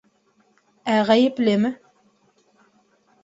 Ә ғәйеплеме